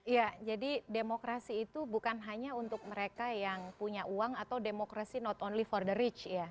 ya jadi demokrasi itu bukan hanya untuk mereka yang punya uang atau demokrasi not only for the rich ya